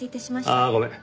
ああごめん。